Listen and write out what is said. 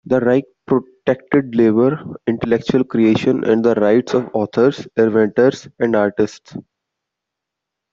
The Reich protected labor, intellectual creation, and the rights of authors, inventors, and artists.